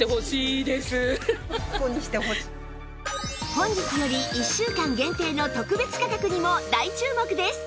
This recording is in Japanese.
本日より１週間限定の特別価格にも大注目です！